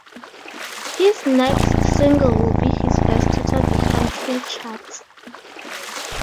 His next single would be his first to top the country charts.